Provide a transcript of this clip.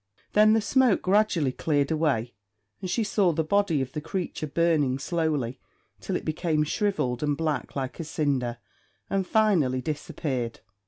Then the smoke gradually cleared away, and she saw the body of the creature burning slowly till it became shrivelled and black like a cinder, and finally disappeared.